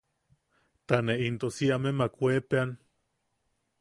Ta ne into si amemak weepeʼean.